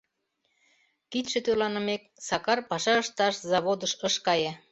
Кидше тӧрланымек, Сакар паша ышташ заводыш ыш кае.